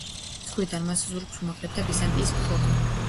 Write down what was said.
ზღვიდან მას ზურგს უმაგრებდა ბიზანტიის ფლოტი.